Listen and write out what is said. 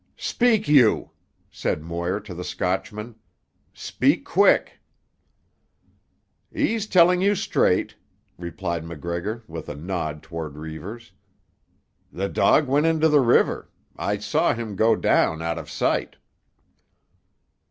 "Speak, you!" said Moir to the Scotchman. "Speak quick." "He's telling you straight," replied MacGregor, with a nod toward Reivers. "The dog went into the river. I saw him go down, out of sight."